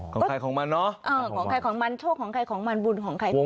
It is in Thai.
ของใครของมันเนอะของใครของมันโชคของใครของมันบุญของใคร